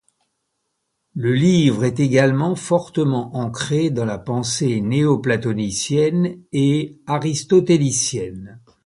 Le livre est également fortement ancré dans la pensée néoplatonicienne et aristotélicienne.